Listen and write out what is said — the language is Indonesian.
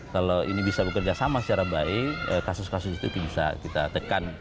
kalau ini bisa bekerja sama secara baik kasus kasus itu bisa kita tekan